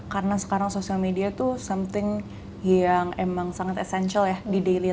karena sekarang social media tuh sesuatu yang emang sangat penting ya di hidup kita